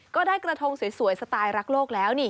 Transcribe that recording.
ก็ได้กระทงสวยสไตล์รักโลกแล้วนี่